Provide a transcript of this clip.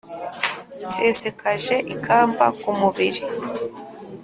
Nsesekaje ikamba ku mubiri,